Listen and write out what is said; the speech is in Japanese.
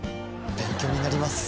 勉強になります。